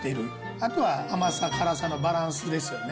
あとは甘さ、辛さのバランスですよね。